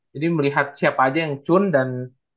jadi melihat siapa aja yang cun dan